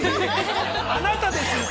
◆あなたです！